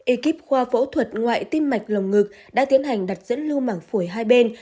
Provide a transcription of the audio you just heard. ekip khoa phẫu thuật ngoại tim mạch lồng ngực đã tiến hành đặt dẫn lưu mảng phổi hai bên